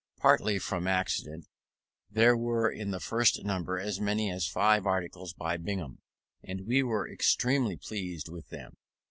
Partly from accident, there were in the first number as many as five articles by Bingham; and we were extremely pleased with them.